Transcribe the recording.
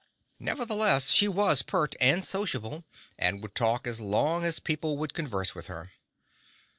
Nevertheless she was pert and sociable, and would talk as long as people would converse with her.